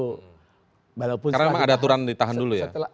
karena memang ada aturan ditahan dulu ya